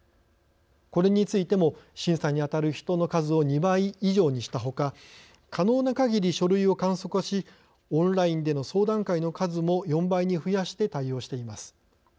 これについても審査にあたる人の数を２倍以上にしたほか可能なかぎり書類を簡素化しオンラインでの相談会の数も４倍に増やして対応しています。